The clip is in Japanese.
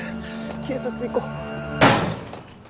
警察行こう。